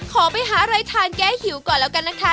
ขอไปหาอะไรทานแก้หิวก่อนแล้วกันนะคะ